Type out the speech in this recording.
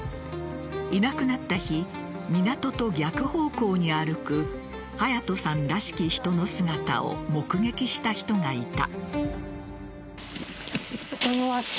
いなくなった日港と逆方向に歩く隼都さんらしき人の姿を目撃した人がいた。